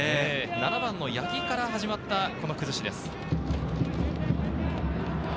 ７番の八木から始まった崩しです。